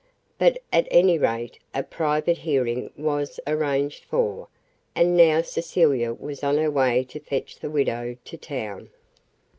But at any rate a private hearing was arranged for, and now Cecilia was on her way to fetch the widow to town.